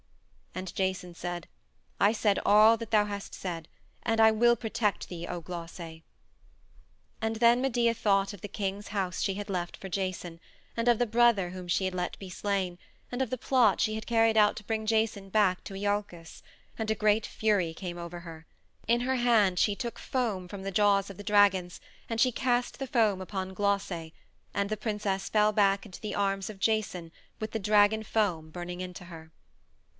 And Jason said: "I said all that thou hast said, and I will protect thee, O Glauce." And then Medea thought of the king's house she had left for Jason, and of the brother whom she had let be slain, and of the plot she had carried out to bring Jason back to Iolcus, and a great fury came over her. In her hand she took foam from the jaws of the dragons, and she cast the foam upon Glauce, and the princess fell back into the arms of Jason with the dragon foam burning into her.